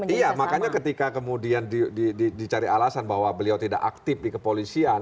iya makanya ketika kemudian dicari alasan bahwa beliau tidak aktif di kepolisian